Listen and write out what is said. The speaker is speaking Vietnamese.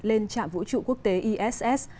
lên trạng vũ trụ quốc tế iss